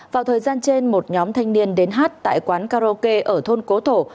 vào thời gian trên một nhóm thanh niên đến hát tại quán karaoke ở thôn cố tổ